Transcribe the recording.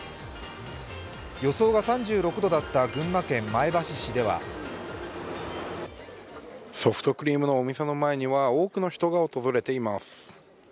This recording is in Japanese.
予想が３６度だった群馬県前橋市ではソフトクリームのお店の前には多くの人が訪れています。